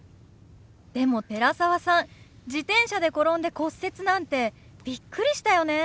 でも寺澤さん自転車で転んで骨折なんてビックリしたよね。